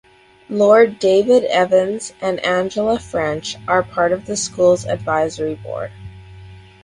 Lord David Evans and Angela french are part of the school’s Advisory Board.